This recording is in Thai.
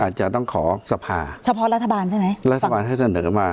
อาจจะต้องขอสภาเฉพาะรัฐบาลใช่ไหมรัฐบาลให้เสนอมา